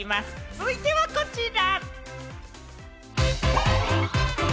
続いてはこちら。